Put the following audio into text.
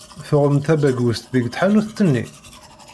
Tuɣem-d tabagust deg tḥanut-nni?